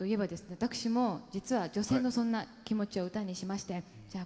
私も実は女性のそんな気持ちを歌にしましてじゃあ